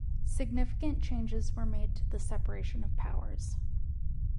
Significant changes were made to the separation of powers.